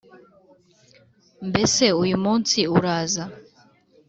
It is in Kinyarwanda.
Mbese uyu munsi uraza.